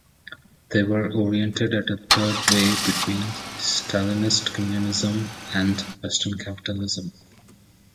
They were oriented at a Third way between Stalinist communism and western capitalism.